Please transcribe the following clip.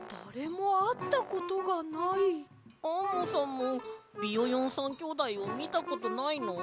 アンモさんもビヨヨン３きょうだいをみたことないの？